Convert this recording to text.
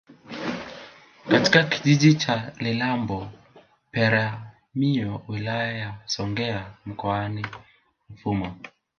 katika kijiji cha Lilambo Peramiho wilaya ya songea mkoani Ruvuma